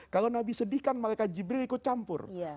kalau nabi sedih kan malaikat jibril ikut campur